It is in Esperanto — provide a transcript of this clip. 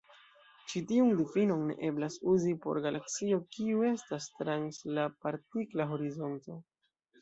Ĉi tiun difinon ne eblas uzi por galaksio kiu estas trans la partikla horizonto.